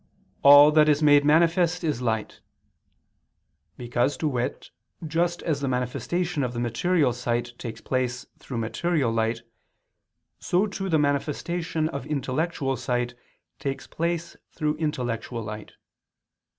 5:13), "all that is made manifest is light," because, to wit, just as the manifestation of the material sight takes place through material light, so too the manifestation of intellectual sight takes place through intellectual light.